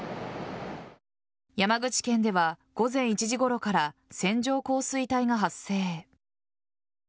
山口県では午前１時ごろから線状降水帯が発生。